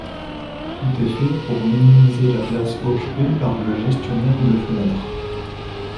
Tout est fait pour minimiser la place occupée par le gestionnaire de fenêtres.